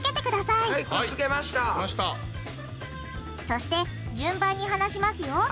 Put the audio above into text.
そして順番に離しますよ。